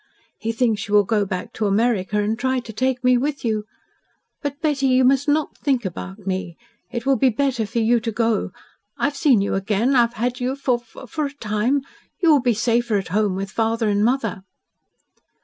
He thinks you will go back to America and try to take me with you. But, Betty, you must not think about me. It will be better for you to go. I have seen you again. I have had you for for a time. You will be safer at home with father and mother."